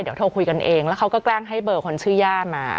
เดี๋ยวโทรคุยกันเองแล้วเขาก็แกล้งให้เบอร์คนชื่อย่ามา